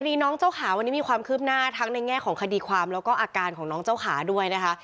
น้องเจ้าขาวันนี้มีความคืบหน้าทั้งในแง่ของคดีความแล้วก็อาการของน้องเจ้าขาด้วยนะคะ